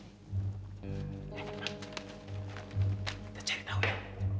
kita cari tau ya